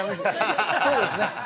そうですね。